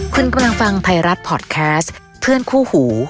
คุณกำลังฟังไทยรัฐพอร์ตแคสต์เพื่อนคู่หู